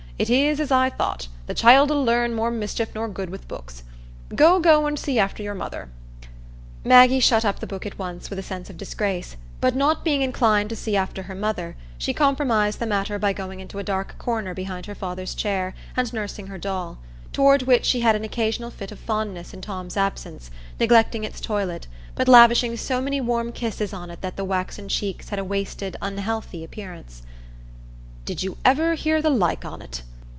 It is as I thought—the child 'ull learn more mischief nor good wi' the books. Go, go and see after your mother." Maggie shut up the book at once, with a sense of disgrace, but not being inclined to see after her mother, she compromised the matter by going into a dark corner behind her father's chair, and nursing her doll, toward which she had an occasional fit of fondness in Tom's absence, neglecting its toilet, but lavishing so many warm kisses on it that the waxen cheeks had a wasted, unhealthy appearance. "Did you ever hear the like on't?"